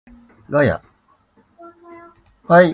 ガヤ